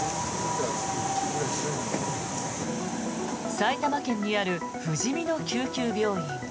埼玉県にあるふじみの救急病院。